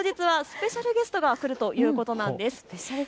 当日はスペシャルゲストが来るということなんです。